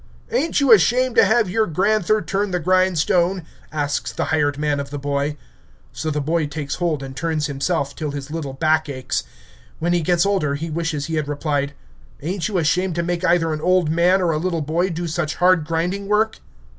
"Ain't you ashamed to have your granther turn the grindstone?" asks the hired man of the boy. So the boy takes hold and turns himself, till his little back aches. When he gets older, he wishes he had replied, "Ain't you ashamed to make either an old man or a little boy do such hard grinding work?"